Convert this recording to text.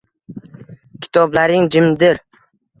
Kitoblaring jimdir